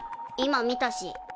今見たし。